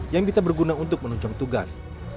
yang bisa berguna untuk menunjang tugas